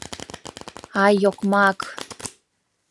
— Ай, окмак!